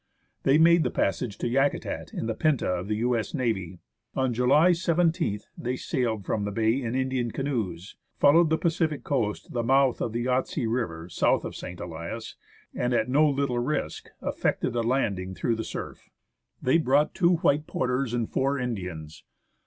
They made the passage to Yakutat in the PzVi!/(2 of the U.S. Navy. On July 17th, they sailed from the bay in Indian canoes, followed the Pacific coast to the mouth of the Yahtse River, south of St. Elias, and, at no little risk, effected a landing through the surf. They brought two white porters a nd four Indians.